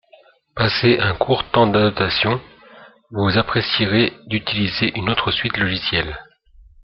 passé un court temps d'adaptation, vous apprécierez d'utiliser une autre suite logicielle